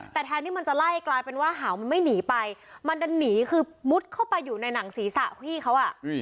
แต่แทนที่มันจะไล่กลายเป็นว่าหาวมันไม่หนีไปมันดันหนีคือมุดเข้าไปอยู่ในหนังศีรษะพี่เขาอ่ะ